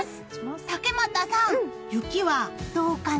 竹俣さん、雪はどうかな？